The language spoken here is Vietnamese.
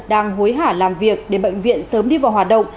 đang hối hả làm việc để bệnh viện sớm đi vào hoạt động